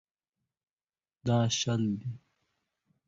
دا شل دي.